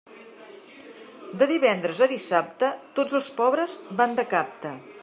De divendres a dissabte, tots els pobres van de capta.